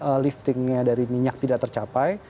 jangan sampai target liftingnya dari minyak tidak tercapai